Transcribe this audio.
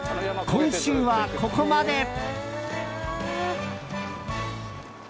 今週はここまで。